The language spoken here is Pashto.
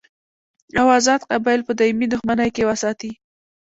او ازاد قبایل په دایمي دښمنۍ کې وساتي.